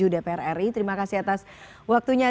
dpr ri terima kasih atas waktunya